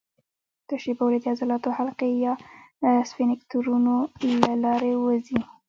تشې بولې د عضلاتي حلقې یا سفینکترونو له لارې ووځي.